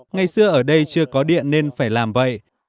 ngày xưa ở đây chưa có điện nên phải làm vậy